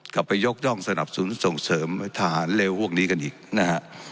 ไปยกย่องสนับสนุนส่งเสริมทหารเร็วพวกนี้กันอีกนะฮะ